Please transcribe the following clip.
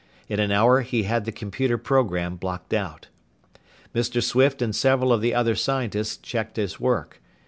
In an hour he had the computer program blocked out. Mr. Swift and several of the other scientists checked his work.